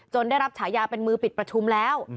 ได้รับฉายาเป็นมือปิดประชุมแล้ว